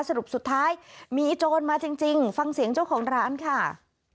สรุปสุดท้ายมีโจรมาจริงฟังเสียงเจ้าของร้านค่ะ